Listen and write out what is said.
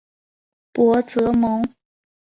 博泽蒙。